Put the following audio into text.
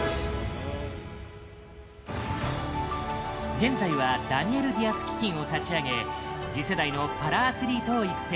現在は「ダニエル・ディアス基金」を立ち上げ次世代のパラアスリートを育成。